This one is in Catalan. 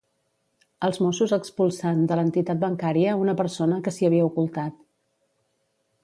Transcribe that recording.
Els mossos expulsen de l'entitat bancària una persona que s'hi havia ocultat.